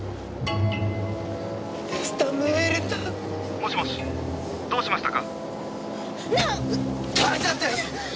「もしもしどうしましたか？」